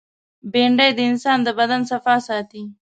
بېنډۍ د انسان د بدن صفا ساتي